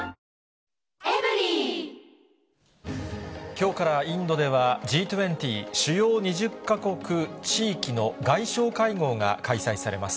きょうからインドでは、Ｇ２０・主要２０か国・地域の外相会合が開催されます。